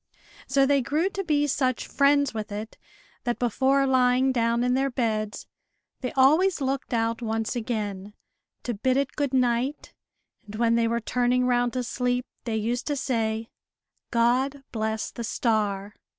So they grew to be such friends with it, that, before lying down in their beds, they always looked out once again, to bid it good night; and when they were turning round to sleep, they used to say, "God bless the star!"